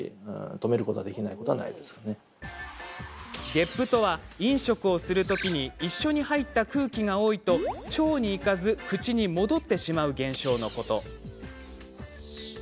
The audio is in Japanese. げっぷとは、飲食する時に一緒に入った空気が多いと腸に行かず口に戻ってしまう現象のこと。